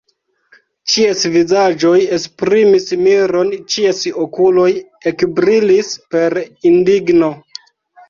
Ĉies vizaĝoj esprimis miron, ĉies okuloj ekbrilis per indigno.